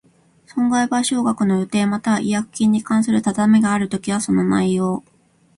損害賠償額の予定又は違約金に関する定めがあるときは、その内容